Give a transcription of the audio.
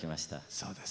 そうです。